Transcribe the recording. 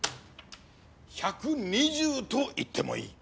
１２０と言ってもいい。